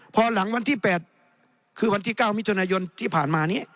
พอหลังวันที่๘คือวันที่๙มิถุนายนที่ผ่านมานี้